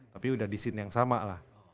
tapi udah di scene yang sama lah